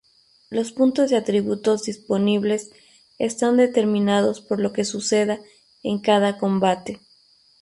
Los puntos de atributos disponibles están determinados por lo que suceda en cada combate.